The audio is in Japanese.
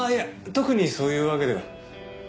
特にそういうわけでは。